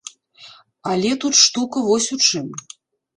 Але тут штука вось у чым.